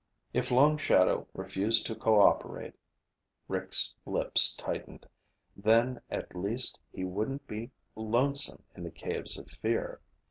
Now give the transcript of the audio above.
If Long Shadow refused to co operate ... Rick's lips tightened. Then at least he wouldn't be lonesome in the Caves of Fear.